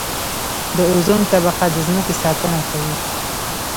د اوزون طبقه د ځمکې ساتنه کوي